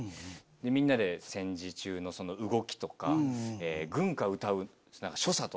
みんなで戦時中の動きとか軍歌を歌う所作とか。